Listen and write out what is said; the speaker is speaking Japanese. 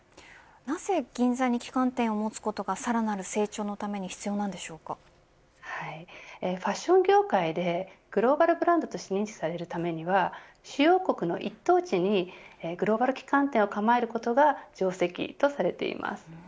なぜ銀座に旗艦店を持つことがさらなる成長のためにファッション業界でグローバルブランドとして認知されるためには主要国の一等地にグローバル旗艦店を構えることが定石とされています。